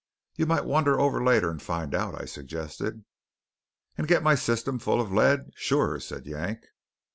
"You might wander over later and find out," I suggested. "And get my system full of lead sure," said Yank.